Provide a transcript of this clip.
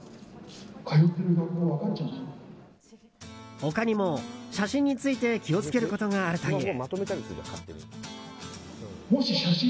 他にも写真について気をつけることがあるという。